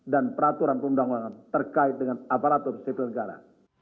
dan peraturan perundang undangan terkait dengan aparatur sipil negara